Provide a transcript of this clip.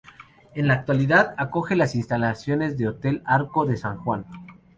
En la actualidad, acoge las instalaciones del "Hotel Arco de San Juan".